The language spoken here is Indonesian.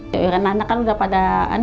iya kan anak kan udah pada